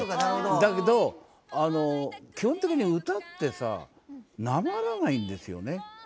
だけど基本的に歌ってさなまらないんですよね。